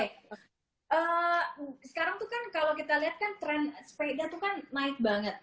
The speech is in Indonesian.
sekarang tuh kan kalau kita lihat kan tren sepeda tuh kan naik banget